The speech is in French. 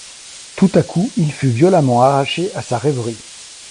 Tout à coup il fut violemment arraché à sa rêverie.